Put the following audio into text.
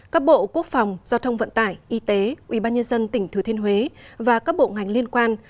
các bộ quốc phòng giao thông vận tải y tế ubnd tỉnh thừa thiên huế và các bộ ngành liên quan